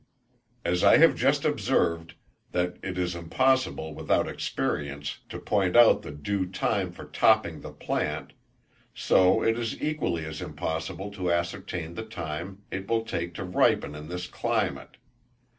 As I have just observed, that it is impossible, without experience, to point out the due time for topping the plant, so it is equally as impossible to ascertain the time it will take to ripen in this climate.